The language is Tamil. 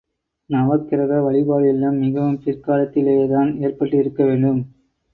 நவக்கிரக வழிபாடு எல்லாம் மிகவும் பிற்காலத்திலேதான் ஏற்பட்டிருக்க வேண்டும்.